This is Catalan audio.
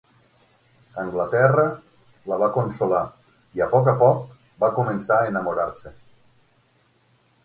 Anglaterra la va consolar i a poc a poc va començar a enamorar-se.